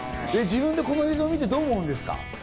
自分で見てどう思うんですか？